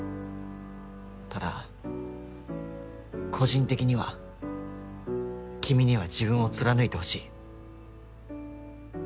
ただ個人的には君には自分を貫いてほしい。